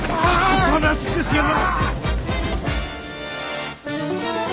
おとなしくしろ！